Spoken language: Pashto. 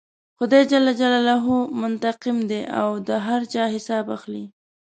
خدای جل جلاله منتقم دی او د هر چا حساب اخلي.